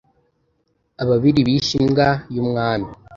Ababiri bishe imbwa y’umwami.